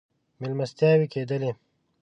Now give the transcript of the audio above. مېلمستیاوې کېدلې.